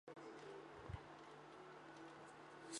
权力集中于国民议会。